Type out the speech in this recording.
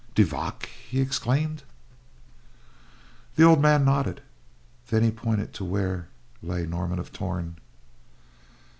"De Vac!" he exclaimed. The old man nodded. Then he pointed to where lay Norman of Torn.